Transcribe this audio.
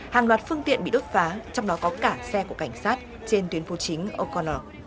hàng loạt phương tiện bị đốt phá trong đó có cả xe của cảnh sát trên tuyến phố chính oconor